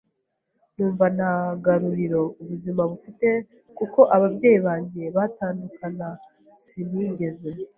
numva nta garuriro ubuzima bufite kuko ababyeyi banjye batandukana sinigeze